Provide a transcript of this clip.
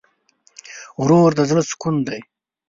ورور د زړه سکون دی.